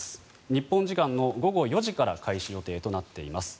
日本時間の午後４時から開始予定となっています。